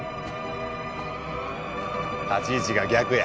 立ち位置が逆や。